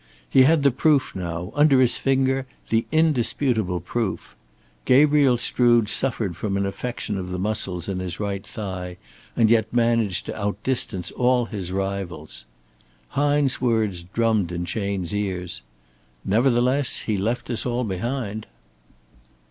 He had the proof now, under his finger the indisputable proof. Gabriel Strood suffered from an affection of the muscles in his right thigh, and yet managed to out distance all his rivals. Hine's words drummed in Chayne's ears: "Nevertheless he left us all behind."